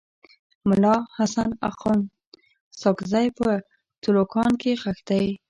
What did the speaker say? ملا حسن اخند ساکزی په تلوکان کي ښخ دی.